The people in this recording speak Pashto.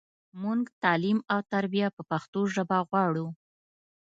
مونږ تعلیم او تربیه په پښتو ژبه غواړو.